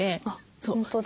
本当だ。